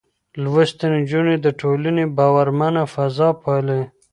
لوستې نجونې د ټولنې باورمنه فضا پالي.